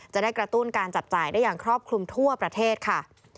จะได้กระตุ้นการจับจ่ายได้อย่างครอบคลุมทั่วประเทศค่ะ